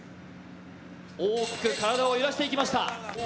大きく体を揺らしていきました。